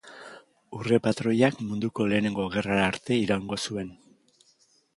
Urre-patroiak Munduko Lehenengo Gerrara arte iraungo zuen.